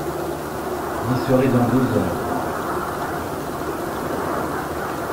Vous y serez dans deux heures, » répondit le major.